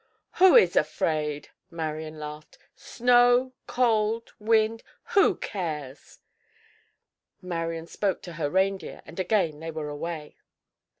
"Who is afraid?" Marian laughed. "Snow, cold, wind—who cares?" Marian spoke to her reindeer, and again they were away.